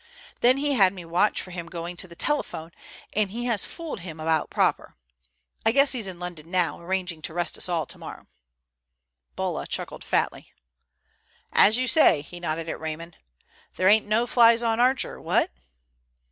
Then he had me watch for him going to the telephone, and he has fooled him about proper. I guess he's in London now, arranging to arrest us all tomorrow." Bulla chuckled fatly. "As you say," he nodded at Raymond, "there ain't no flies on Archer, what?"